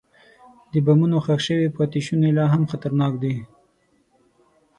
د بمونو ښخ شوي پاتې شوني لا هم خطرناک دي.